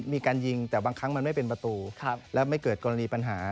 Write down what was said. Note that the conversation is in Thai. มีการยิงแต่บางครั้งมันไม่เป็นประตูแล้วไม่เกิดกรณีปัญหา